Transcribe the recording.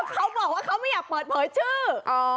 เขาบอกว่าเขาไม่อยากเปิดเผยชื่อ